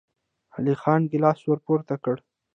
علی خان ګيلاس ور پورته کړ.